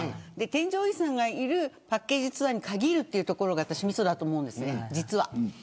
添乗員さんがいるパッケージツアーに限るところがみそだと思うんです、実は。